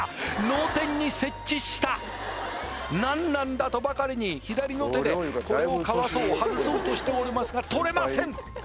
脳天に設置した何なんだとばかりに左の手でこれをかわそう外そうとしておりますが取れません！